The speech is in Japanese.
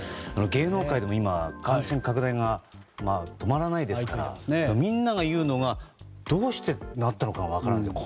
芸能界でも今感染拡大が止まらないですからみんなが言うのがどうしてなったのか分からない。